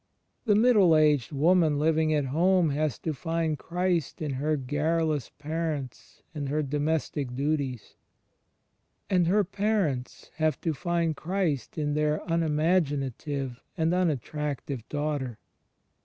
The middle aged woman Uving at home has to find Christ in her garrulous parents and her domestic duties: and her parents have to find Christ in their unimaginative and unattractive daughter.